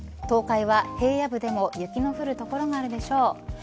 東海は平野部でも雪の降る所があるでしょう。